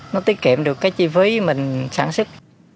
nó tiết kiệm được chi phí mình sản xuất